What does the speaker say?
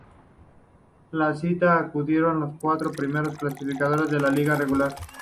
A la cita acudieron los cuatro primeros clasificado en la liga regular.